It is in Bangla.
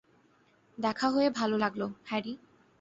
দেখা হয়ে ভালো লাগলো, হ্যারি।